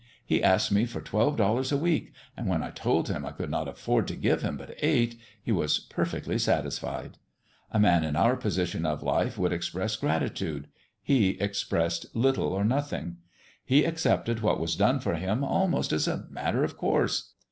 He asked me for twelve dollars a week, and when I told him I could not afford to give him but eight he was perfectly satisfied. A man in our position of life would express gratitude; he expressed little or none. He accepted what was done for him almost as a matter of course.